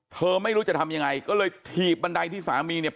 ไม่รู้จะทำยังไงก็เลยถีบบันไดที่สามีเนี่ย